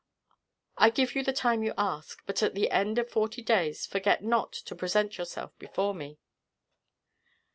"I give you the time you ask, but at the end of the forty days forget not to present yourself before me."